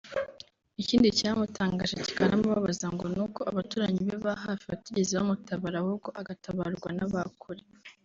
Ikindi cyamutangaje kikanamubabaza ngo ni uko abaturanyi be ba hafi batigeze bamutabara ahubwo agatabarwa n’aba kure